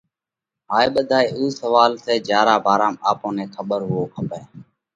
هائي ٻڌائي اُو سوئال سئہ جيا را ڀارام آپون نئہ کٻر هووَو کپئہ۔